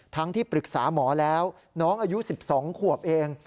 ที่ปรึกษาหมอแล้วน้องอายุ๑๒ขวบเอง